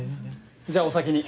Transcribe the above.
じゃあお先に。